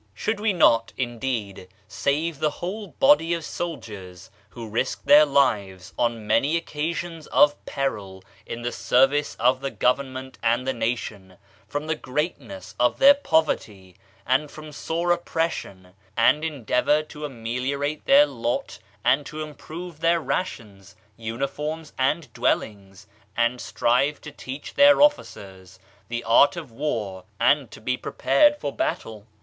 Should we not, indeed, save the whole body of soldiers, who risk their lives on many occasions of peril in the service of the government and the nation, from the greatness of their poverty, and from sore op pression, and endeavor to ameliorate their lot and to improve their rations, uniforms and dwellings, and strive to teach their officers the art of war and to be prepared for battle?